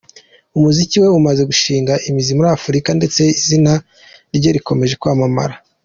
Umuziki we umaze gushinga imizi muri Afurika ndetse izina rye rikomeje kwamamara.